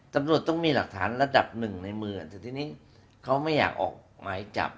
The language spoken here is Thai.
ตำรวจต้องมีหลักฐานระดับหนึ่งในมือแต่ทีนี้เขาไม่อยากออกหมายจับ